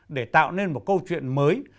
để tạo nên một câu chuyện mới